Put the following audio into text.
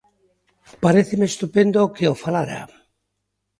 Paréceme estupendo que o falara.